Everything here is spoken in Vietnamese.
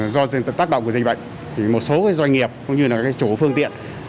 do tác động của dịch bệnh thì một số doanh nghiệp cũng như chỗ phương tiện